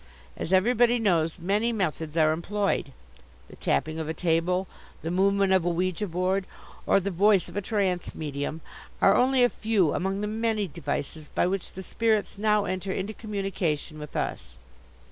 As everybody knows, many methods are employed. The tapping of a table, the movement of a ouija board, or the voice of a trance medium, are only a few among the many devices by which the spirits now enter into communication with us.